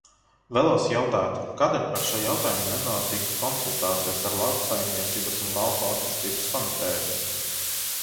Vēlos jautāt, kādēļ par šo jautājumu nenotika konsultācijas ar Lauksaimniecības un lauku attīstības komiteju?